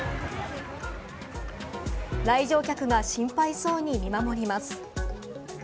来場客が心配そうに見守ります。